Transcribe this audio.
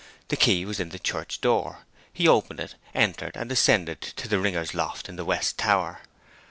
The key was in the church door; he opened it, entered, and ascended to the ringers' loft in the west tower.